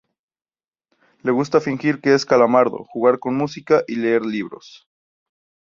Le gusta fingir que es Calamardo, jugar con música y leer libros.